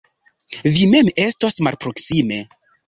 Vi mem estos malproksime.